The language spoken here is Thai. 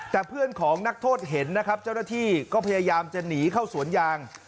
แต่เพื่อนของนักโทษเห็นนะครับเจ้าหน้าที่ก็พยายามจะหนีเข้าสวนยาง